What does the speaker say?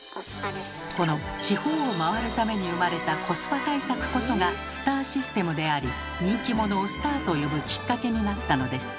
この地方を回るために生まれたコスパ対策こそがスターシステムであり人気者をスターと呼ぶきっかけになったのです。